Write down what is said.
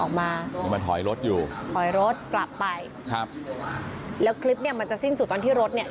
ออกมานี่มาถอยรถอยู่ถอยรถกลับไปครับแล้วคลิปเนี้ยมันจะสิ้นสุดตอนที่รถเนี่ย